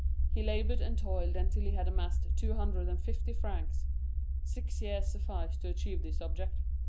He labored and toiled until he had amassed 250,000 francs; six years sufficed to achieve this object.